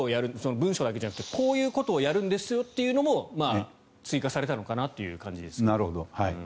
文章だけじゃなくてこういうことをやるんですよというのも追加されたのかなという感じです。